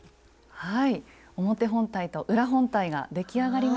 はい。